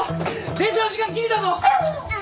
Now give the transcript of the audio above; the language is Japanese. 電車の時間ぎりだぞ。